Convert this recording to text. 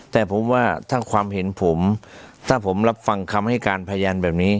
แต่ผมว่าถ้าความเห็นผมถ้าผมรับฟังคำให้การพยานแบบนี้